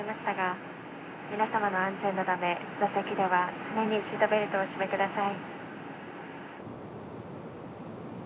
皆様の安全のため座席では常にシートベルトをお締めください。